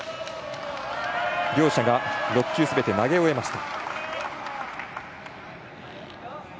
両者が６球すべて投げ終わりました。